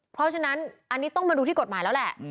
เพราะฉะนั้นอันนี้ต้องมาดูที่กฎหมายแล้วแหละ